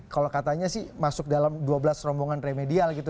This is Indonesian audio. kalau katanya sih masuk dalam dua belas rombongan remedial gitu